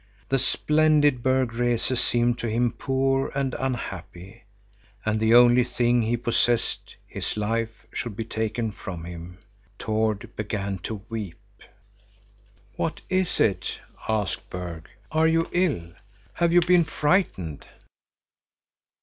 The splendid Berg Rese seemed to him poor and unhappy. And the only thing he possessed, his life, should be taken from him. Tord began to weep. "What is it?" asked Berg. "Are you ill? Have you been frightened?"